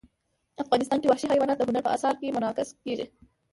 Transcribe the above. افغانستان کې وحشي حیوانات د هنر په اثار کې منعکس کېږي.